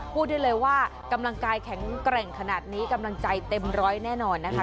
พูดได้เลยว่ากำลังกายแข็งแกร่งขนาดนี้กำลังใจเต็มร้อยแน่นอนนะคะ